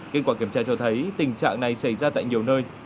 kết quả kiểm tra cho thấy tình trạng này xảy ra tại nhiều nơi